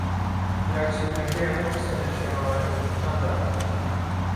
فراکسیۆنەکەیان ئەو قسە نەشیاوانە بە بوختان دادەنێت